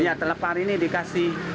iya telepar ini dikasih